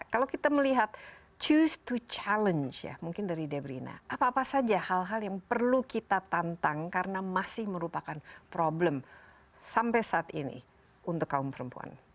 kalau kita melihat thoose to challenge ya mungkin dari debrina apa apa saja hal hal yang perlu kita tantang karena masih merupakan problem sampai saat ini untuk kaum perempuan